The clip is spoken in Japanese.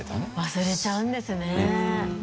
忘れちゃうんですね。